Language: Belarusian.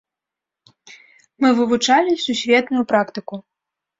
Мы вывучалі сусветную практыку.